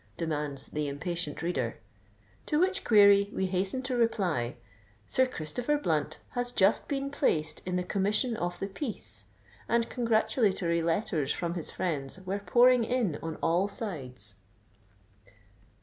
demands the impatient reader: to which query we hasten to reply—"Sir Christopher Blunt had just been placed in the commission of the peace, and congratulatory letters from his friends were pouring in on all sides!"